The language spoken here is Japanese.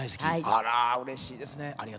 あら、うれしいですね。